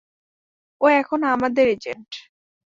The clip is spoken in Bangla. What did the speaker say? ও এখন আমাদের, এজেন্ট।